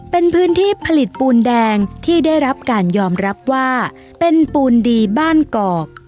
เป็นพื้นที่ผลิตปูนแดงที่ได้รับการยอมรับว่าเป็นปูนดีบ้านกอก